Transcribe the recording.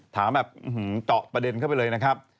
ถามแบบเจาะประเด็นเข้าไปเลยนะครับ